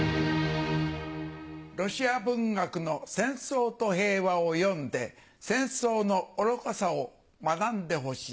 ロシア文学の『戦争と平和』を読んで戦争の愚かさを学んでほしい。